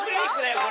これ。